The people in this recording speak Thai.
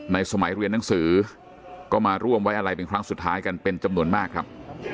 สมัยเรียนหนังสือก็มาร่วมไว้อะไรเป็นครั้งสุดท้ายกันเป็นจำนวนมากครับ